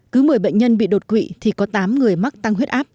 cứ một mươi bệnh nhân bị đột quỵ thì có tám người mắc tăng huyết áp